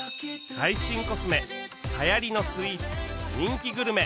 最新コスメ流行りのスイーツ人気グルメ